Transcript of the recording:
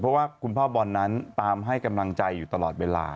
เพราะว่าคุณพ่อบอลนั้นตามให้กำลังใจอยู่ตลอดเวลา